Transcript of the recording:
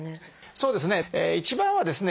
そうですね。